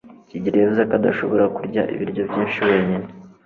Kigeri yavuze ko adashobora kurya ibiryo byinshi wenyine.